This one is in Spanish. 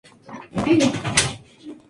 Uno de estos pacientes, era un asesino serial.